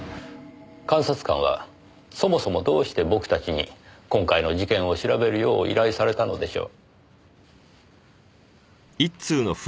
監察官はそもそもどうして僕たちに今回の事件を調べるよう依頼されたのでしょう？